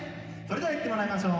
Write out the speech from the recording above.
では行ってもらいましょう。